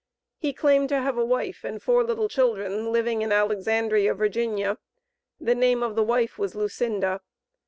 He claimed to have a wife and four little children living in Alexandria Va.; the name of the wife was Lucinda.